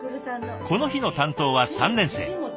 この日の担当は３年生。